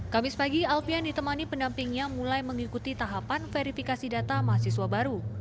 kamis pagi alfian ditemani pendampingnya mulai mengikuti tahapan verifikasi data mahasiswa baru